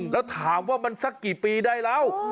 แล้วถามว่ามันสักกี่ปีได้แล้ว